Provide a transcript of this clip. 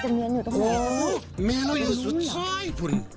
โอ้โฮแม่เราอยู่สุดช้อยทุน